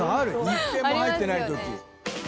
１件も入ってないとき。